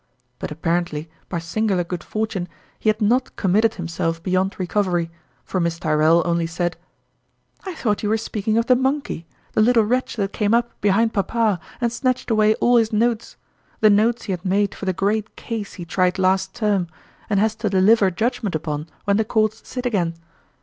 But apparently, by singular good for tune, he had not committed himself beyond recovery ; for Miss Tyrrell only said :" I thought you were speaking of the monk ey, the little wretch that came up behind papa and snatched away all his notes the notes he had made for the great case he tried last term, and has to deliver judgment upon when the Courts sit again.